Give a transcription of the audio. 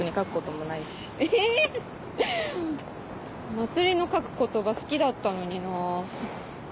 茉莉の書く言葉好きだったのにな。